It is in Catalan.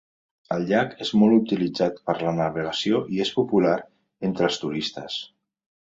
El llac és molt utilitzat per a la navegació i és popular entre els turistes.